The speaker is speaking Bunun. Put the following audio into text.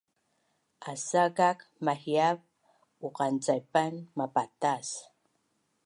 Asa kak mahiav uqancaipan mapatas